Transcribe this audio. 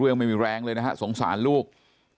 แล้วก็ยัดลงถังสีฟ้าขนาด๒๐๐ลิตร